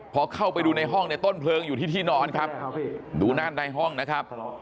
พอเข้าไปดูในห้องเนี่ยต้นเพลิงอยู่ที่ที่นอนครับดูด้านในห้องนะครับ